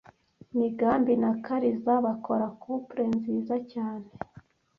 Migambi na Kariza bakora couple nziza cyane.